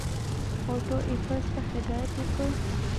آټو ایفز ته هدایت وکړ.